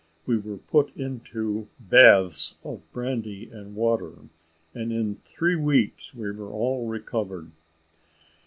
We were put into baths of brandy and water, and in three weeks were all recovered.